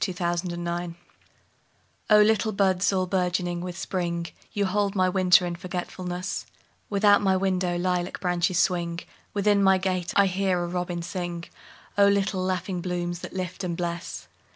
A Song in Spring O LITTLE buds all bourgeoning with Spring, You hold my winter in forgetfulness; Without my window lilac branches swing, Within my gate I hear a robin sing—O little laughing blooms that lift and bless!